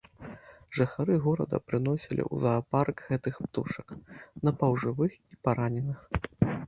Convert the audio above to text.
Жыхары горада прыносілі ў заапарк гэтых птушак, напаўжывых і параненых.